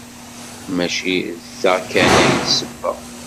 Maci d ta kan ay d ssebba.